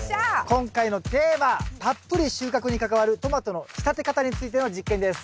今回のテーマ「たっぷり収穫」に関わるトマトの仕立て方についての実験です。